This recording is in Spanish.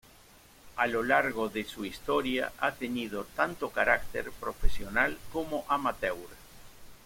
A lo largo de su historia ha tenido tanto carácter profesional como amateur.